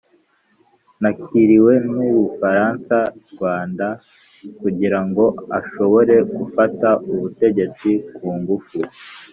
nakiriwe n'u bufaransarwanda kugira ngo ashobore gufata ubutegetsi ku ngufu.